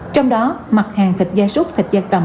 trong đó mặt hàng thịt gia súc thịt da cầm